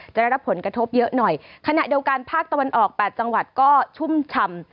จะได้รับผลกระทบเยอะหน่อยขณะเดียวกันภาคตะวันออก๘จังหวัดก็ชุ่มชำ